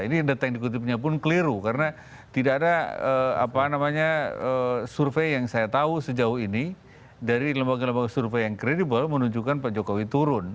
ini data yang dikutipnya pun keliru karena tidak ada survei yang saya tahu sejauh ini dari lembaga lembaga survei yang kredibel menunjukkan pak jokowi turun